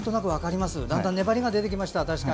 だんだん粘りが出てきました。